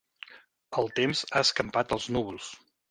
El temps ha escampat els núvols.